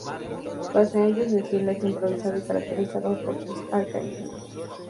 Pese a ello, su estilo es improvisado y caracterizado por sus arcaísmos.